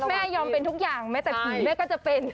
แม่ยอมเป็นทุกอย่างแม้แต่ผีแม่ก็จะเป็น